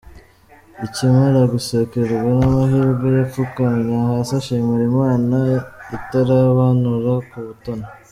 Akimara gusekerwa n’amahirwe, yapfukamye hasi ashimira Imana itarobanura ku butoni.